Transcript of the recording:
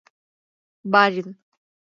Барин.